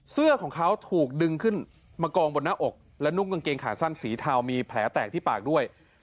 เสื้อของเขาถูกดึงขึ้นมากองบนหน้าอกและนุ่งกางเกงขาสั้นสีเทามีแผลแตกที่ปากด้วย